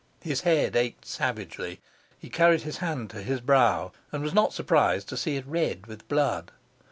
His head ached savagely; he carried his hand to his brow, and was not surprised to see it red with blood.